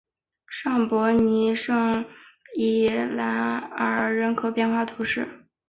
尚帕涅圣伊莱尔人口变化图示